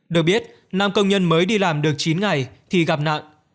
được biết nam công nhân mới đi làm được chín ngày thì gặp nạn